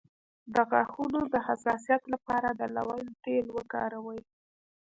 د غاښونو د حساسیت لپاره د لونګ تېل وکاروئ